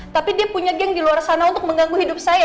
tapi dia punya geng di luar sana untuk mengganggu hidup saya